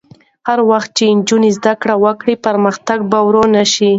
هر وخت چې نجونې زده کړه وکړي، پرمختګ به ورو نه شي.